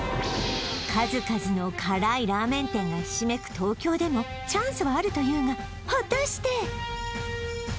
数々の辛いラーメン店がひしめく東京でもチャンスはあるというが果たして？